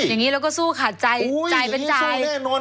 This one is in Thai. อย่างนี้สู้แน่นอน